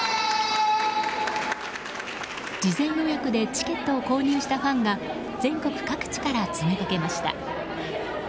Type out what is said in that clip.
事前予約でチケットを購入したファンが全国各地から詰めかけました。